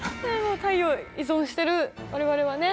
太陽に依存してる我々はね